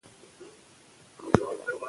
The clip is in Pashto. د پخلنځي ټوکر هره ورځ بدل کړئ.